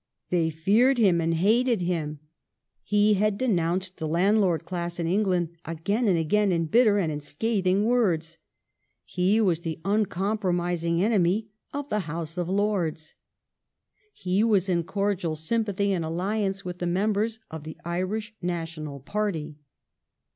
They feared him and hated him. He had denounced the landlord class in England again and again in bitter and in scathing words. He was the uncompromising enemy of the House of Lords. He was in cordial sympathy and alliance with the members of the Irish National party.